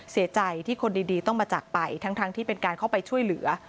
เสียใจที่คนดีต้องมาจากไปทั้งที่เป็นการเข้าไปช่วยเหลือ